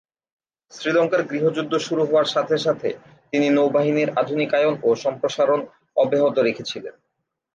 শ্রীলঙ্কার গৃহযুদ্ধ শুরু হওয়ার সাথে সাথে তিনি নৌবাহিনীর আধুনিকায়ন ও সম্প্রসারণ অব্যাহত রেখেছিলেন।